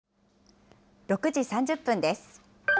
６時３０分です。